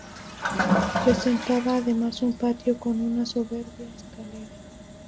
Presentaba además un patio con una soberbia escalera.